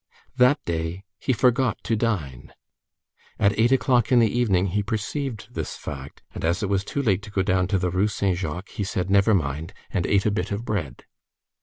That day he forgot to dine. At eight o'clock in the evening he perceived this fact, and as it was too late to go down to the Rue Saint Jacques, he said: "Never mind!" and ate a bit of bread.